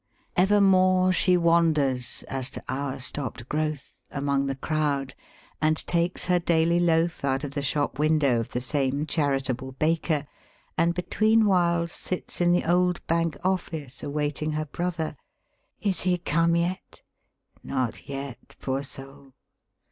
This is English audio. Evermore she wanders, as to our stopped growth, among the crowd, and takes her daily loaf out of the shop window of the same charitable baker, and betweenwhiles sits in the old Bank office awaiting her brother. " Is he come yet ?" Not yet, poor soul.